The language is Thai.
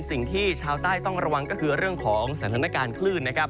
สิ่งที่ชาวใต้ต้องระวังก็คือเรื่องของสถานการณ์คลื่นนะครับ